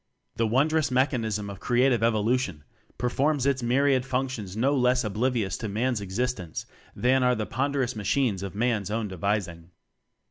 The wondrous mechan ism of Creative Evolution performs its myriad functions no less oblivious to Man's existence than are the ponder ous machines of Man's own devising.